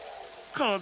かぜ？